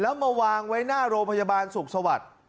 แล้วมาวางไว้หน้าโรงพยาบาลสุขสวัสดิ์